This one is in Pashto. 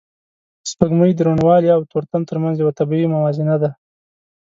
سپوږمۍ د روڼوالی او تورتم تر منځ یو طبیعي موازنه ده